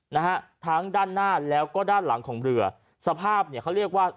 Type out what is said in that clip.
นะฮะทั้งด้านหน้าแล้วก็ด้านหลังของเรือสภาพเนี่ยเขาเรียกว่า